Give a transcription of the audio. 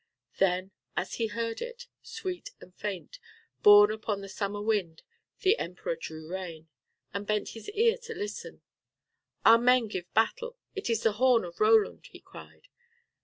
Then as he heard it, sweet and faint, borne upon the summer wind, the Emperor drew rein, and bent his ear to listen. "Our men give battle; it is the horn of Roland," he cried.